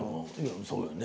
そうよね。